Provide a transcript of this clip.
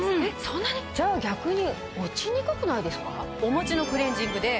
じゃあ逆に。